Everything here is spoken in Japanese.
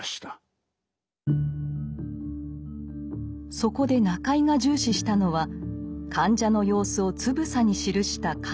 そこで中井が重視したのは患者の様子をつぶさに記した看護日誌。